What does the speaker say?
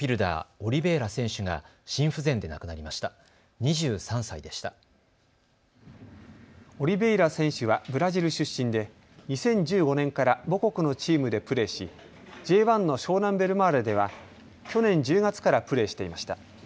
オリベイラ選手はブラジル出身で２０１５年から母国のチームでプレーし、Ｊ１の湘南ベルマーレでは去年１０月からプレーしていました。